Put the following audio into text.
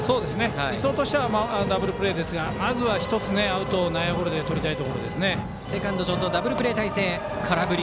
理想としてはダブルプレーですがまずは１つ、アウトを内野ゴロでとりたいところですね。